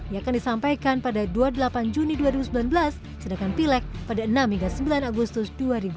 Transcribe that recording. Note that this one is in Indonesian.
yang akan disampaikan pada dua puluh delapan juni dua ribu sembilan belas sedangkan pilek pada enam hingga sembilan agustus dua ribu sembilan belas